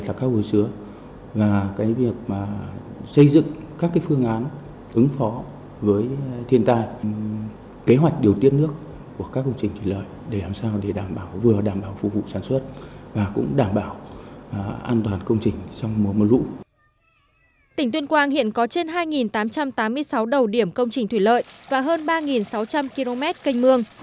tỉnh tuyên quang hiện có trên hai tám trăm tám mươi sáu đầu điểm công trình thủy lợi và hơn ba sáu trăm linh km canh mương